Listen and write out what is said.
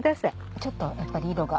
ちょっとやっぱり色が。